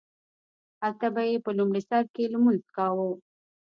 هلته به یې په لومړي سرکې لمونځ کاوو.